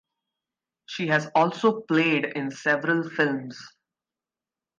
She has also played in several films.